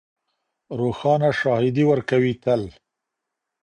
روښانه شاهدي ورکوي تل